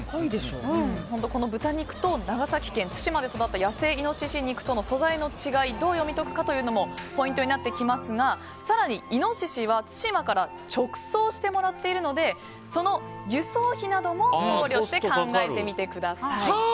この豚肉と長崎県対馬で育った野生イノシシ肉との素材の違いをどう読み解くかもポイントになってきますが更にイノシシは対馬から直送してもらっているのでその輸送費なども考慮してなるほど！